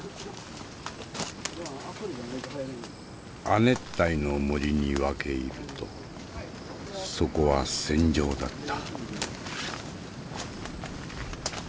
亜熱帯の森に分け入るとそこは戦場だった。